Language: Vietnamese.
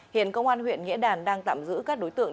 hiện công an huyện nghĩa đàn đang tạm giữ các đối tượng